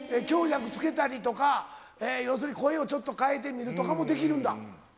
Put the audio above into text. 強弱付けたりとか、要するに声をちょっと変えてみるとかもできるんだ？